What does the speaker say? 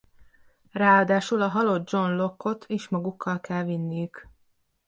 Ráadásul a halott John Locke-ot is magukkal kell vinniük.